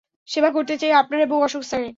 সেবা করতে চাই, আপনার এবং অশোক স্যারের।